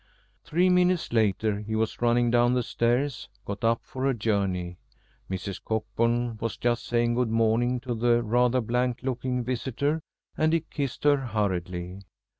Three minutes later, he was running down the stairs, got up for a journey. Mrs. Cockburn was just saying good morning to the rather blank looking visitor, and he kissed her hurriedly.